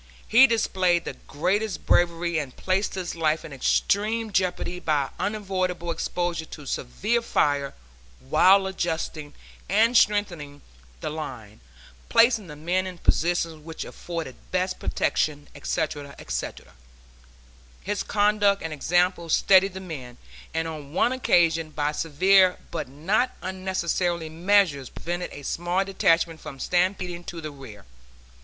He displayed the greatest bravery and placed his life in extreme jeopardy by unavoidable exposure to severe fire while adjusting and strengthening the line, placing the men in positions which afforded best protection, etc., etc. His conduct and example steadied the men, and on one occasion by severe but not unnecessary measures prevented a small detachment from stampeding to the rear.